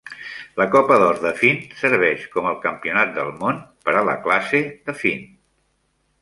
La Copa d'or de Finn serveix com el Campionat del món per a la classe de Finn.